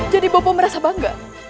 jadi bopo merasa bangga